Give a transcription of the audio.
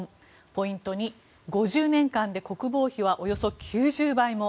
ポイント２、５０年間で国防費はおよそ９０倍も。